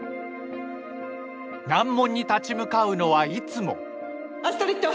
難問に立ち向かうのはいつもアストリッド。